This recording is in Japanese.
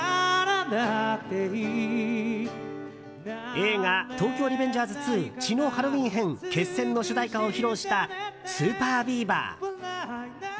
映画「東京リベンジャーズ２血のハロウィン編‐決戦‐」の主題歌を披露したＳＵＰＥＲＢＥＡＶＥＲ。